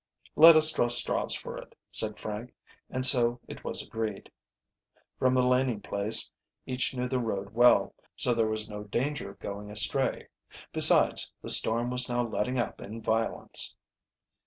"Let us draw straws for it," said Frank, and so it was agreed. From the Laning place each knew the road well, so there was no danger of going astray. Besides, the storm was now letting up in violence.